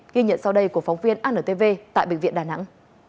ghi nhận sau đây của phóng viên antv tại bệnh viện đà nẵng